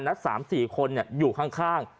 นัดสามสี่คนอยู่ข้าง